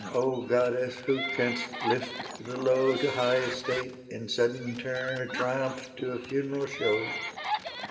O Goddess, who canst lift the low To high estate, and sudden turn A triumph to a funeral show!